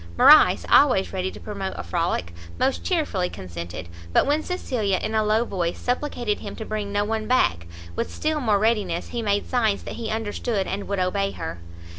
Morrice, always ready to promote a frolic, most chearfully consented; but when Cecilia, in a low voice, supplicated him to bring no one back, with still more readiness he made signs that he understood and would obey her.